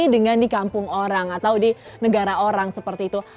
dengan di kampung orang atau di negara orang seperti itu